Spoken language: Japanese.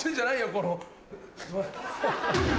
この。